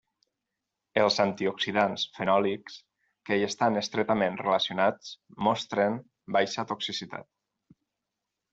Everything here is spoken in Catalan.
Els antioxidants fenòlics que hi estan estretament relacionats mostren baixa toxicitat.